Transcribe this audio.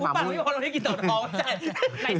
อุ๊ปัดว่าเราได้กินเตาทองใช่ไหม